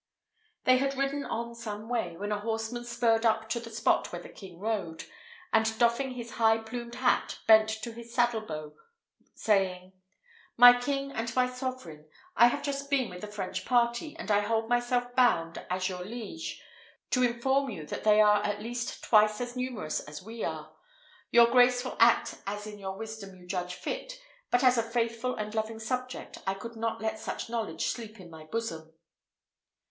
They had ridden on some way, when a horseman spurred up to the spot where the king rode, and doffing his high plumed hat, bent to his saddle bow, saying, "My king and my sovereign, I have just been with the French party, and I hold myself bound, as your liege, to inform you that they are at least twice as numerous as we are. Your grace will act as in your wisdom you judge fit; but as a faithful and loving subject I could not let such knowledge sleep in my bosom."